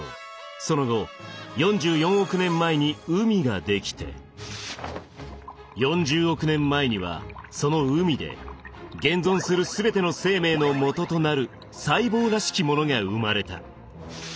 その後４４億年前に海が出来て４０億年前にはその海で現存する全ての生命のもととなる細胞らしきものが生まれた。